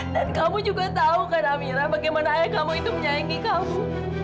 dan kamu juga tahu amira bagaimana ayah kamu itu menyayangi kamu